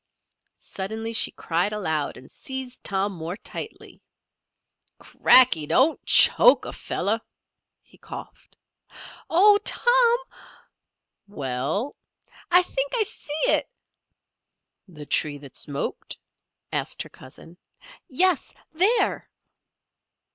Suddenly she cried aloud and seized Tom more tightly. "Cracky! Don't choke a fellow!" he coughed. "Oh, Tom!" "Well" "I think I see it." "The tree that smoked?" asked her cousin. "Yes. There!"